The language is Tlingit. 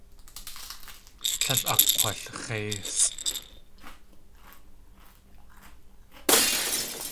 Tlél akg̲walx̲éisʼ.